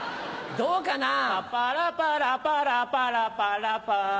どうかな。パパラパラパラパラパラパ